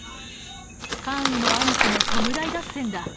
「関羽の兄貴の弔い合戦だ！